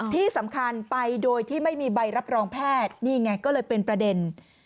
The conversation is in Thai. ที่สำคัญไปโดยที่ไม่มีใบรับรองแพทย์นี่ไงก็เลยเป็นประเด็น